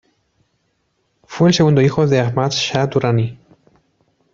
Fue el segundo hijo de Ahmad Shah Durrani.